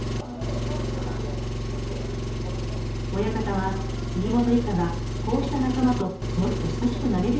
親方は杉本一家がこうした仲間ともっと親しくなれるようにと思ったのです。